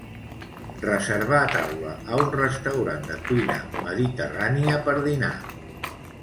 Reservar taula a un restaurant de cuina mediterrània per dinar.